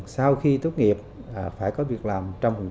sau khi tốt nghiệp phải có việc làm một trăm linh